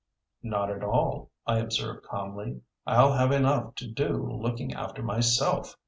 "Not at all," I observed calmly. "I'll have enough to do looking after myself.